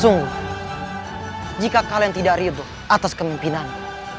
sungguh jika kalian tidak ridul atas kemimpinanmu